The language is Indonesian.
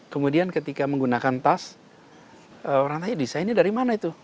kemudian ketika menggunakan tas orang tanya desainnya dari mana itu